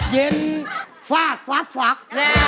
เย็นฟาสวัดฟัก